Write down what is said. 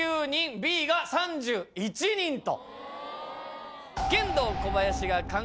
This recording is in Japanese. Ｂが３１人と。